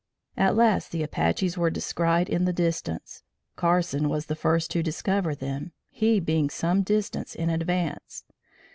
At last the Apaches were descried in the distance. Carson was the first to discover them, he being some distance in advance.